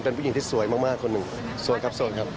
เป็นผู้หญิงที่สวยมากคนหนึ่งสวยครับโสดครับ